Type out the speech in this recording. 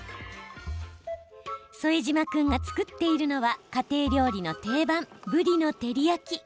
副島君が作っているのは家庭料理の定番、ぶりの照り焼き。